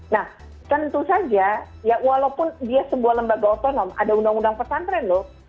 nah tentu saja ya walaupun dia sebuah lembaga otonom ada undang undang pesantren loh